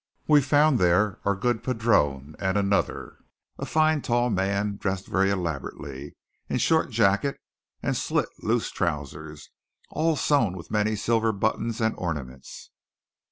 We found there our good padrone and another, a fine tall man, dressed very elaborately in short jacket and slit loose trousers, all sewn with many silver buttons and ornaments.